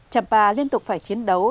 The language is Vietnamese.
trầm pa liên tục phải chiến đấu